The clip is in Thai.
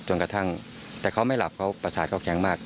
จนกระทั่งแต่เขาไม่หลับเขาประสาทเขาแข็งมาก